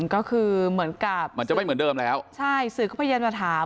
ก็คือเหมือนกับมันจะไม่เหมือนเดิมแล้วใช่สื่อก็พยายามจะถาม